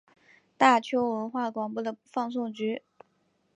大邱文化广播的放送局。